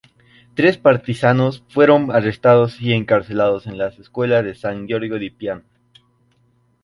Tres partisanos fueron arrestados y encarcelados en las escuelas de San Giorgio di Piano.